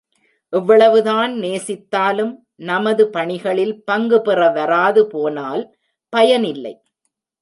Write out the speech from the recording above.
எவ்வளவுதான் நேசித்தாலும், நமது பணிகளில் பங்குபெற வராது போனால் பயனில்லை.